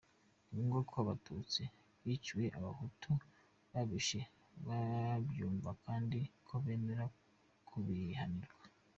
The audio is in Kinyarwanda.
Ni ngombwa ko abatutsi biciwe abahutu babishe babyumva kandi ko bemera kubihanirwa.